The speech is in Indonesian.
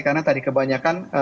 karena tadi kebanyakan